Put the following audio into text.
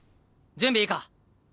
準備いいか？